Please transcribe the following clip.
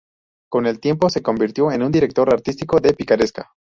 Con el tiempo se convirtió en un director artístico de picaresca.